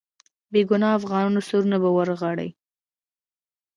بې ګناه افغانانو سرونه به ورغړي.